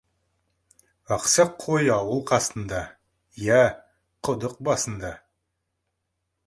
Ақсақ қой ауыл қасында, иә, құдық басында.